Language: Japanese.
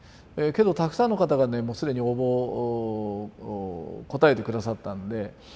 けどたくさんの方がねもう既に応募応えて下さったんで。